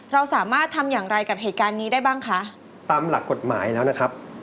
เราสามารถทำอย่างไรกับเหตุการณ์นี้ได้บ้างคะตามหลักกฎหมายแล้วนะครับ